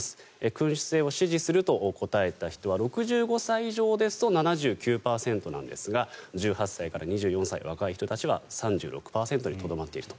君主制を支持すると答えた人は６５歳以上ですと７９％なんですが１８歳から２４歳、若い人たちは３６％にとどまっていると。